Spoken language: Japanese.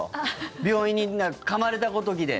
病院に、かまれたごときで。